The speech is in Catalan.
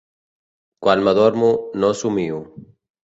Quan m'adormo, no somio.